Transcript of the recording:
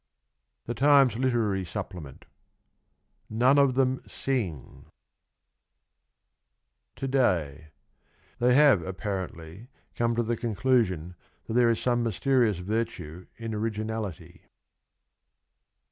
THE TIMES LITERARY SUPPLEMENT. None of them sing ! TO DAY. They have apparently come to the conclusion that there is some mysterious virtue in originality.